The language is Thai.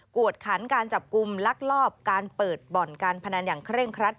วดขันการจับกลุ่มลักลอบการเปิดบ่อนการพนันอย่างเคร่งครัด